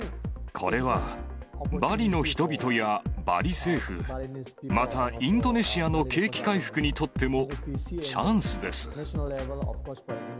これはバリの人々やバリ政府、またインドネシアの景気回復にとってもチャンスです。